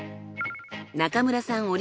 中村さん